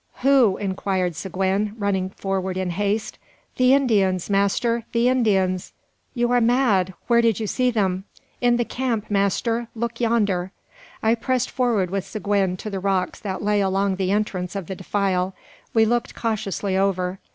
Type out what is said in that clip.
"Who?" inquired Seguin, running forward in haste. "The Indians, master; the Indians!" "You are mad! Where did you see them?" "In the camp, master. Look yonder!" I pressed forward with Seguin to the rocks that lay along the entrance of the defile. We looked cautiously over.